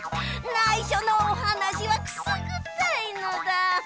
ないしょのおはなしはくすぐったいのだ。